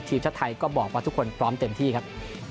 ทีมชาติไทยก็บอกว่าทุกคนพร้อมเต็มที่ครับ